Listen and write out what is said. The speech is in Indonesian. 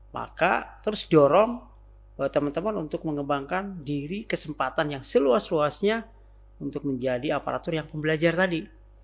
maka terus dorong teman teman untuk mengembangkan diri kesempatan yang seluas luasnya untuk menjadi aparatur yang pembelajar tadi